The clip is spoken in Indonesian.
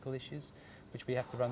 yang harus kita lakukan